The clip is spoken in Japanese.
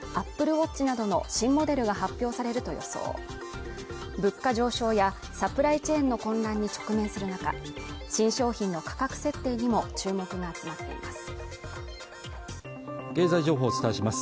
ＡｐｐｌｅＷａｔｃｈなどの新モデルが発表されると予想物価上昇やサプライチェーンの混乱に直面する中新商品の価格設定にも注目が集まっています